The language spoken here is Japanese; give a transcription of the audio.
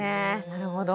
なるほど。